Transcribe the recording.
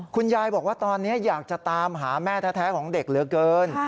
คุณยายบอกว่าตอนนี้อยากจะตามหาแม่แท้ของเด็กเหลือเกิน